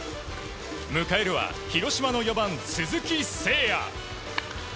迎えるは広島の４番、鈴木誠也。